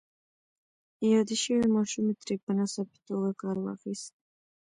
يادې شوې ماشومې ترې په ناڅاپي توګه کار واخيست.